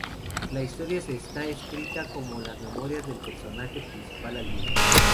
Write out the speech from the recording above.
La historia está escrita como las memorias del personaje principal, Albino.